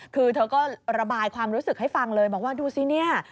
คือเธอก็ระบายความรู้สึกให้ฟังเลยบอกว่าดูสิเนี่ย